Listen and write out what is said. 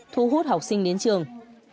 thu hút học sinh đến trường